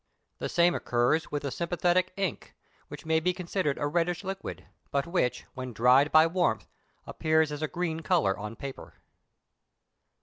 The same occurs with the sympathetic ink, which may be considered a reddish liquid, but which, when dried by warmth, appears as a green colour on paper.